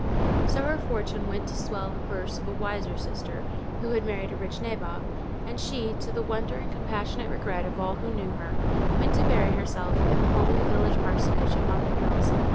So her fortune went to swell the purse of a wiser sister, who had married a rich nabob; and she, to the wonder and compassionate regret of all who knew her, went to bury herself in the homely village parsonage among the hills of ——.